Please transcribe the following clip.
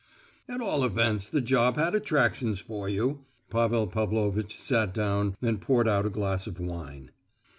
"At all events the job had attractions for you." Pavel Pavlovitch sat down and poured out a glass of wine.